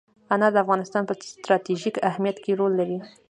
انار د افغانستان په ستراتیژیک اهمیت کې رول لري.